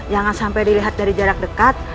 jangan sampai dilihat dari jarak dekat